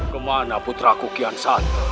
kemana putraku kian saat ini